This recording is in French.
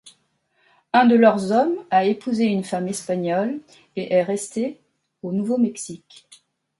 Un de leurs hommes a épousé une femme espagnole et est resté au Nouveau-Mexique.